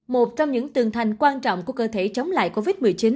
một trong những tường thành quan trọng của cơ thể chống lại covid một mươi chín